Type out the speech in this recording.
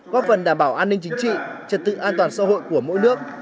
góp phần đảm bảo an ninh chính trị trật tự an toàn xã hội của mỗi nước